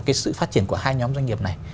cái sự phát triển của hai nhóm doanh nghiệp này